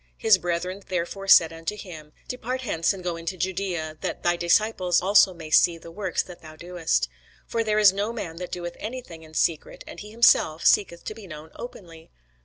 His brethren therefore said unto him, Depart hence, and go into Judæa, that thy disciples also may see the works that thou doest. For there is no man that doeth any thing in secret, and he himself seeketh to be known openly.